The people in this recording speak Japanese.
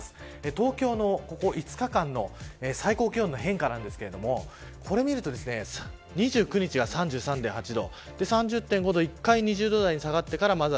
東京のここ５日間の最高気温の変化なんですがこれを見ると２９日が３３．８度。